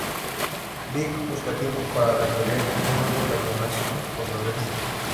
Big justo a tiempo para repeler un nuevo cañonazo contra los niños.